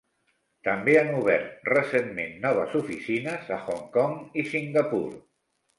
També han obert recentment noves oficines a Hong Kong i Singapur.